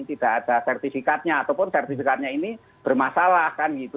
tidak ada sertifikatnya ataupun sertifikatnya ini bermasalah kan gitu